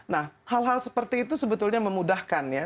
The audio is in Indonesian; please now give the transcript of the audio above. nah hal hal seperti itu sebetulnya memudahkan ya